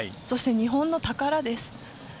そして日本の宝です。